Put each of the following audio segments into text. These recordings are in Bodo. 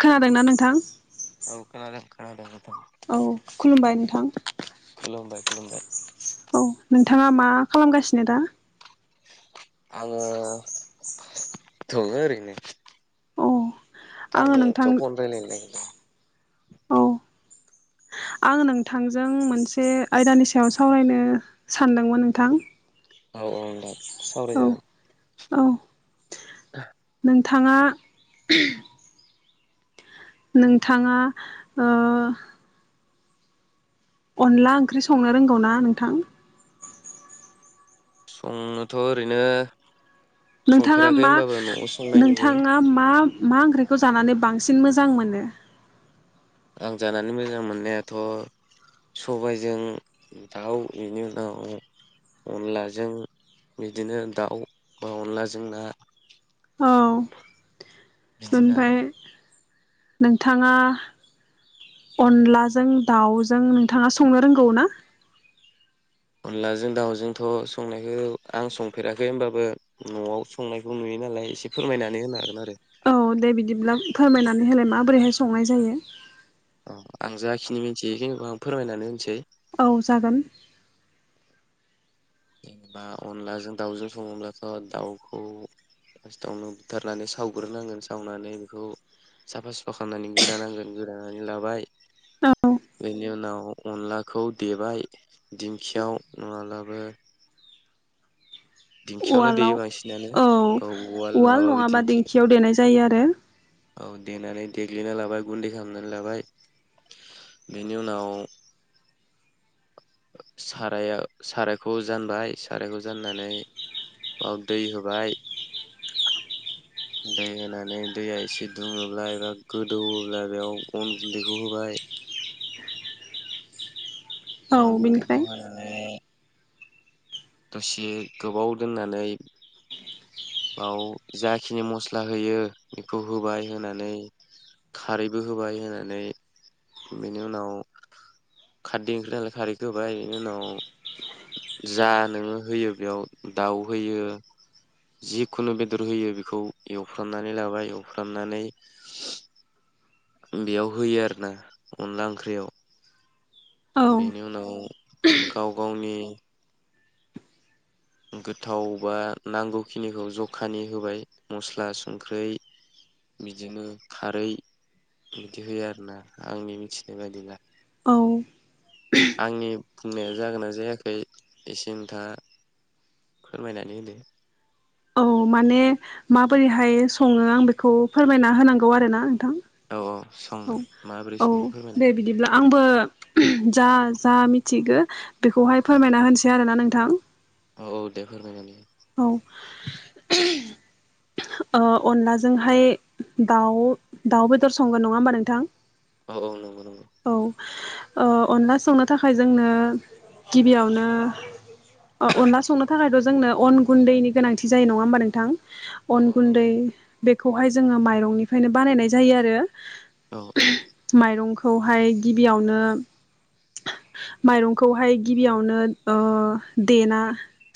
खोनादोंना नोंथां? औ खोनादों खोनादों नोंथां। औ खुलुमबाय नोंथां। खुलुमबाय खुलुमबाय। औ नोंथाङा मा खालामगासिनो दा। आंङो दङ ओरैनो। औ आङो नोंथां औ [unintelligible] आं नोंथांजों मोनसे आयदानि सायाव सावरायनो सानदोंमोन नोंथां औ औ दे सावराय औ जागोन औ [inaudible] नोंथाङा नोंथाङा ओ अनला ओंख्रि संनो रोंगौ ना नोंथां? संनोथ' ओरैनो नोंथाङा संफेराखै मा होमबाबो न'आव संनाय नुयो नोंथाङा मा मा ओंख्रिखौ जानानै बांसिन मोजां मोनो आं जानानै मोजां मोननायाथ' सबायजों दाउ बेनि उनाव अनलाजों बिदिनो दाउ बा अनलाजों ना औ बिदिनो आरो ओमफ्राय नोंथाङा अनलाजों दाउजों नोंथाङा संनो रोंगौ ना? अनलाजों दाउजोंथ' संनायखौ आं संफेराखै होमबाबो न'आव संनायखौ नुयो नालाय एसे फोरमायनानै होनो हागोन आरो औ दे बिदिब्ला फोरमायनानै होलाय माबोरैहाय संनाय जायो अ आं जाखिनि मिथियो इखिनिखौ आं फोरमायनानै होनोसै औ जागोन जेनेबा अनलाजों दाउजों सङोब्लाथ' दाउखौ फास्टावनो बुथारनानै सावग्रोनांगोन सावनानै बेखौ साफा सुफा खालामनानै गोदानांगोन गोदानानै लाबाय औ बेनि उनाव अनलाखौ देबाय दिंखियाव नङाब्लाबो दिंखियावनो देयो उवालाव बांसिनानो औ उवाल नङाबा दिंखियाव देनाय जायो आरो औ देनानै देग्लिना लाबाय गुन्दै खालामनानै लाबाय बेनि उनाव साराया सारायखौ जानबाय सारायखौ जाननानै ओ दै होबाय दै होनानै दैया एसे दुङोब्ला एबा गोदौओब्ला बेयाव अन गुन्दैखौ होबाय औ अन गुन्दैखौ बिनिफ्राय होनानै दसे गोबाव दोननानै बाव जाखिनि मस्ला होयो बेखौ होबाय होनानै खारैबो होबाय होनानै बेनि उनाव खारदै ओंख्रि नालाय खारैखौ होबाय इनि उनाव जा नोङो होयो बेयाव दाउ होयो जिखुनु बेदर होयो बेखौ एवफ्रामनानै लाबाय एवफ्रामनानै बेयाव होयो आरोना अनला ओंख्रियाव औ बेनि उनाव गाव गावनि गोथाव बा नांगौखिनिखौ जखानि होबाय मस्ला संख्रै बिदिनो खारै बिदि होयो आरोना आंनि मिथिनाय बायदिब्ला औ आंनि बुंनाया जागोनना जायाखै इसे नोंथाङा फोरमायनानै होदो औ माने माबोरैहाय सङो आं बेखौ फोरमायना होनांगौ आरो ना नोंथां अ औ औ दे बिदिब्ला आंबो जा-जा मिथिगो बेखौहाय फोरमायना होनोसै आरोना नों थां औ औ दे फोरमायनानै हो औ ओ अनलाजोंहाय दाउ दाउ बेदर संगोन नङा होमबा नोंथां औ औ नंगौ नंगौ औ ओ अनला संनो थाखाय जोंनो गिबियावनो अनला संनो थाखायथ' जोंनो अन गुन्दैनि गोनांथि जायो नङा होमबा नोंथां औ अन औ गुन्दै नंगौ बेखौहाय जोङो माइरंनिफ्रायनो बानायनाय जायो आरो औ माइरं खौहाय गिबियावनो मायरंखौहाय गिबियावनो ओ देना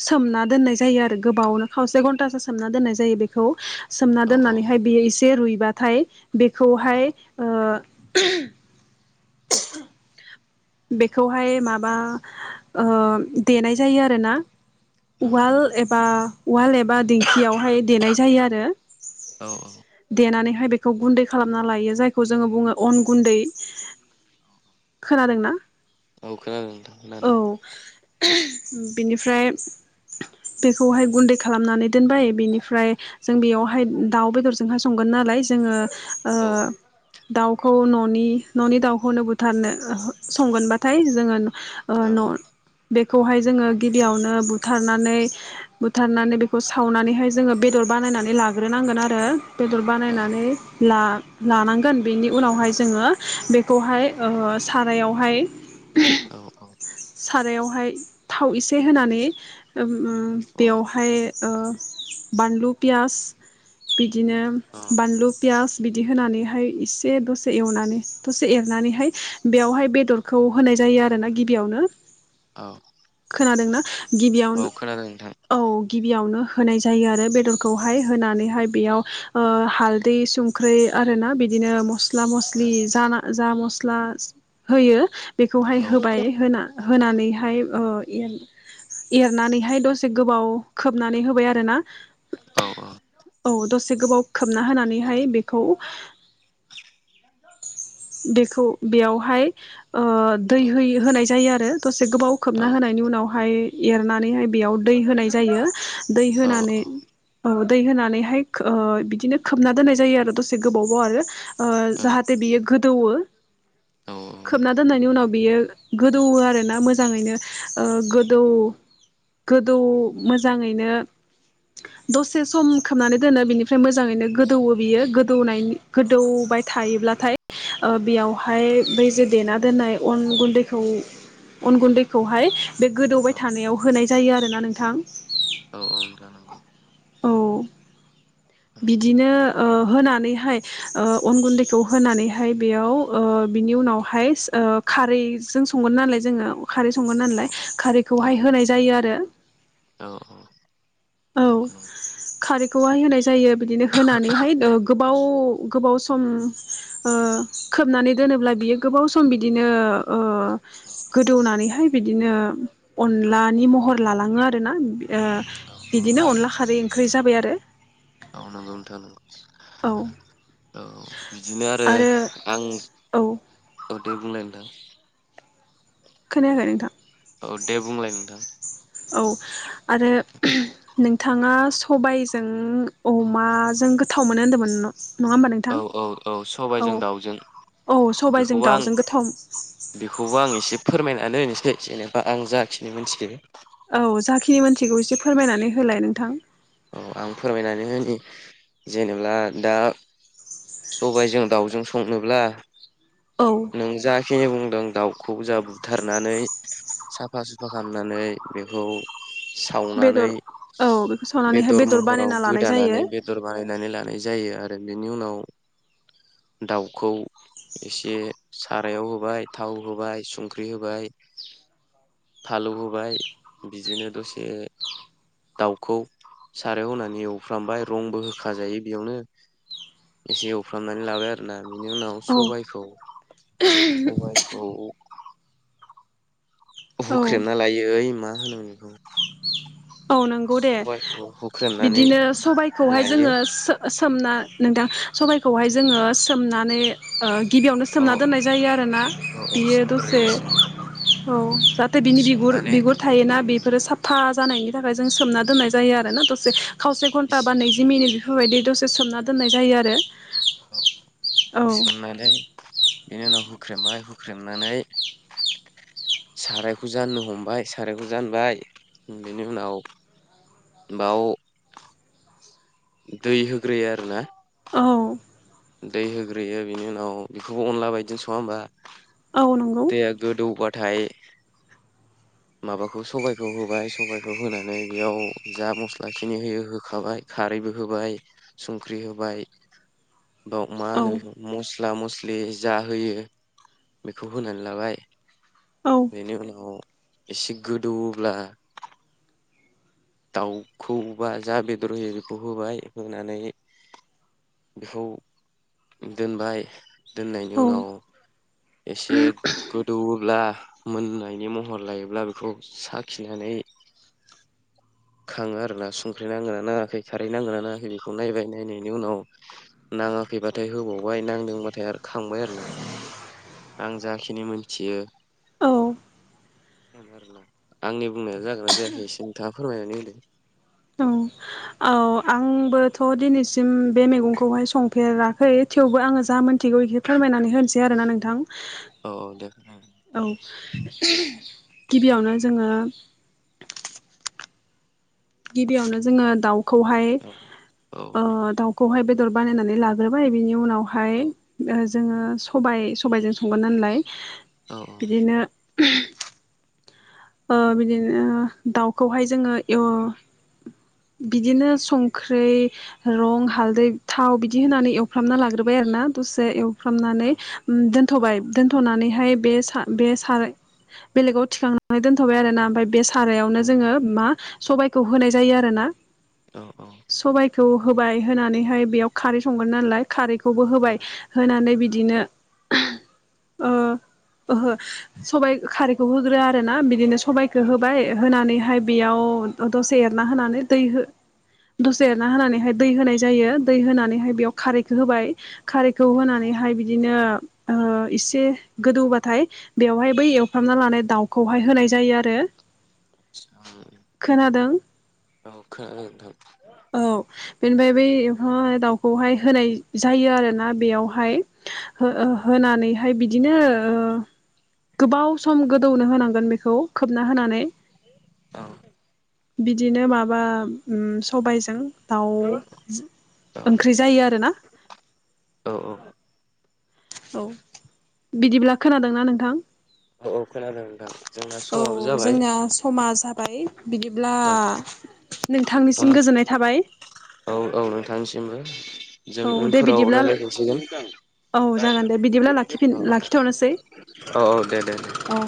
सोमना दोननाय जायो आरो गोबावनो खावसे घन्टासो सोमनानै दोननाय जायो बेखौ सोमना औ औ दोननानैहाय बेयो एसे रुइ बाथाय बेखौहाय ओ बेखौहाय माबा ओ देनाय जायो आरोना औ उवाल एबा उवाल एबा दिंखियावहाय देनाय जायो आरो औ औ देनानै बेखौ गुन्दै खालामना लायो जायखौ जोङो बुङो अन गुन्दै खोनादोंना औ खोनादों नोंथां खोनादों बेनिफ्राय बेखौहाय गुन्दै खालामनानै दोनबाय बेनिफ्राय जों बेयावहाय दाउ बेदरजोंहाय संगोन नालाय जोङो। ओ औ दाउखौ न'नि न'नि दाउखौनो बुथारनो संगोनबाथाय जोङो औ ओ बे खौहाय जोङो गिबियावनो बुथारनानै बुथारनानै बेखौ सावनानैहाय जोङो बेदर बानायनानै लाग्रोनांगोन आरो बेदर औ बानायनानै। ला लानांगोन बेनि उनावहाय जोङो बेखौहाय ओ सा राययावहाय। औ औ सारायावहाय थाव एसे होनानै उम औ बेवहाय ओ बानलु पियास बिदिनो बानलु पियास बिदि होनानैहाय एसे दसे एवनानै दसे एरनानैहाय बेयावहाय बेदरखौ होनाय जायो आरो ना गिबियावनो। औ खोनादोंना? गिबियावनो औ खोनादों नोंथां औ गिबियावनो होनाय जायो आरो बेदरखौहाय होनानैहाय बेयाव ओ हालदै संख्रि आरोना बिदिनो मस स्ला मस्लि जाना जा मस्ला होयो। बेखौहाय औ होबाय होना। होनानैहाय। ओ एरनानैहाय दसे गोबाव खोबनानै होबाय आरोना। औ औ औ दसे गोबाव खोबना होनानैहाय बेखौ। बेखौ बेयावहाय। ओ औ ओं औ दै हो होनाय जायो आरो। दसे गोबाव खोबना होनायनि उनावहाय। एरनानैहाय बेयाव दै होनाय जायो। दै होनानै औ। दै होनानैहाय ओ बिदिनो खोबना दोननाय जायो आरो दसे गोबाव बाव आरो। ओ जाहाथ बेयो गोदौवो। खोबना दोननायनि उनाव। बेयो गोदौवो आरोना मोजाङैनो। ओ गोदौ गोदौ मोजाङैनो दसे सम खोबनानै दोनो बेनिफ्राय मोजाङैनो गोदौवो बियो गोदौनायनि। गोदौबाय थायोब्ला। थाय बेयावहाय बै जे देना दोननाय अन गुन्दैखौ अन गुन्दैखौहाय। बे ओ गोदौबाय औ थानायाव होनाय। जायो आरोना नोंथां। औ औ जानांगौ। औ। बिदिनो होनानैहाय अन गुन्दैखौ होनानैहाय बेयाव बिनि उनावहाय खारैजों संगोन नालाय जोङो खारै संगोन औ नालाय औ खारैखौहाय होनाय जायो आरो। औ औ। औ नंगौ नंगौ। खारैखौहाय होनाय जायो। बिदिनो होनानैहाय गोबाव गोबाव सम खोबनानै दोनोब्ला बियो गोबाव सम बिदिनो गोदौनानैहाय बिदिनो अनलानि महर लालाङो आरोना। बिदिनो अनला खारै‌ ओंख्रि जाबाय आरो। औ नंगौ नोंथां नंगौ‌ औ। औ बिदिनो आरो आं औ नों बुंलाय नोंथां। खोनायाखै नोंथां। औ दे बुंलाय नोंथां। औ आरो नोंथाङा सबायजों अमाजों गोथाव मोनो होन्दोंमोन न नङा होमबा नोंथां औ औ औ औ सबायजों दाउजों औ सबायजों बेखौबो आं दाउजों गोथाव बेखौबो आं एसे फोरमायनानै होनो। जे-जेनेबा आं जाखिनो मोनथियो। औ जाखिनि मोनथिगौ एसे फोरमायनानै होलाय नोंथां। औ आं फोरमायनानै होनि जेनेब्ला दा सबायजों दाउजों संनोब्ला औ नों जा खिनि बुंदों दाउखौ जा बुथारनानै साफा सुफा खालामनानै बेखौ सावनानै बेदर औ बेखौ साव बेदर महराव गोदानानै बेदर बानायनानै लानाय जायो आरो। आरो बेनि उनाव दाउखौ एसे सारायाव होबाय थाव होबाय संख्रि होबाय फालौ होबाय बिदिनो दसे दाउखौ सारायाव होनानै एवफ्रामबाय रंबो होखा जायो बेयावनो एसे एवफ्रामनानै लाबाय आरो ना। बिनि उनाव औ सबायखौ सबायखौ औ हुख्रेमना लायो ओइ मा होनोमोन बेखौ औ नोंगौ दे सबायखौ हुख्रेमनानै बिदिनो सबायखौहाय लायो जोङो सो-सो सोमना नोंथां सबायखौहाय जोङो सोमनानै ओ गिबियावनो सोमना अ दोननाय जायो आरोना औ औ बियो दसे सोमग्रोयो सोमनानै औ जाहाथे बिनि बिगुर सोमनानै बिगुर थायोना औ बेफोरो साफा जानायनि जों सोमना दोननाय जायो आरोना दसे खावसे घन्टा बा एसे नैजि मिनिट बेफोरबायदि दसे सोमना दोननाय जायो आरो। औ औ सोमनायलाय बिनि उनाव हुख्रेमो आरो हुख्रेमनानै सारायखौ जाननो हमबाय सारायखौ जानबाय बिनि उनाव बाव दै होग्रोयो आरो ना। औ। दै होग्रोयो बिनि उनाव बेखौबो अनला बायदिजों संआ होमबा? औ नंगौ दैआ गोदौबाद थाय माबाखौ सबायखौ होबाय सबायखौ होनानै बेयाव जा मस्ला खिनि होयो होखाबाय खारैबो होबाय संख्रि होबाय बाव मा होनो औ बेखौ मस स्ला मस्लि जा होयो बेखौ होनानै लाबाय औ बिनि उनाव एसे गोदौब्ला दाउखौबा जा बेदर होयो बेखौ होबाय होनानै बेखौ दोनबाय दोननायनि औ उनाव एसे गोदौवोब्ला मोननायनि महर लायोब्ला बेखौ साखिनानै खाङो आरोना संख्रि नांगोना नाङाखै खारै नांगोना नाङाखै बेखौ नायबाय नायनायनि उनाव नाङाखैबाथाय होबावबाय नांदोंबाथाय आरो खांबाय आरोना आं जाखिनि मोनथियो औ बे आरोना आंनि बुंनाया जागोना जायाखै एसे खोन्था फोरमायनानै होदो औ औ आंबोथ' दिनैसिम बे मैगंखौहाय संफेराखै थेवबो आङो जा मोन थिगौ एसे फोरमायनानै होनसै से आरोना नोंथां। औ औ दे उम। औ गिबियावनो जोङो गिबियावनो जोङो दाउ खौहाय औ ओ दाउखौ खौहाय बेदर बानायनानै लाग्रोबाय बिनि उनाव हाय औ ओज जोङो सबाइ सबाइजों संगोन नालाय, औ बिदिनो ओ बिदिनो दाउखौहाय जोङो एव बिदिनो संख्रै, रं, हालदै, थाव बिदि होनानै एवफ्रामना लाग्रोबाय आरो ना दसे एव औ फ्रामनानै उम दोनथ'बाय दोनथ'नानै हाय बे सा बे साराय बेलेगाव थिखांनानै दोन्थ'बाय आरो ना बे सा सारायावनो जोङो मा सबाइखौ होनाय जायो आरो ना [inaudible] सबाय थौ होबाय होनानैहाय बेयाव खारै संगोन नालाय खारैखौबो होबाय होनानै बिद बिदिनो ओ ओहो सबाय खारैखौ होग्रोया आरो ना बिदिनो सबायखौ होबाय होनानैहा ओमफाय बेयाव द-दसे एरना होनानै दै हो दसे एरना होनानैहाय दै होनाय जायो दै होनानैहाय बेयाव खारैखो होबाय। खारैखौ होनानैहाय बिदिनो ओ एसे गोदौबाथाय बेवहाय बै एवफ्रामना लानाय दाउखौहाय होनाय जायो आरो सा खोनादों औ खोनादों नोंथां औ बेनिफ्राय बै ओहो हाय दाउखौहाय होनाय जायो आरोना बेयावहाय हो ओ होनानैहाय बिदिनो ओ गोबाव सम गोदौनो होनांगोन बेखौ खोबना होनानै औं बिदिनो माबा उम सबायजों दाउ स ओंख्रि जायो आरोना औ औ बिदिब्ला खोनादोंना नोंथां। औ खोनादों नोंथां जोंना औ समाबो जाबाय। जोंना समा जाबाय बिदिब्ला औ नोंथांनिसिम गोजोननाय थाबाय। औ औ नोंथांनिसिमबो जों औ दे उनफोराव बिदिब्ला रायलायफिनसिगोन औ जागोन दे बिदिब्ला लाखिफिन औ लाखिथ'नोसै औ औ औ दे दे औ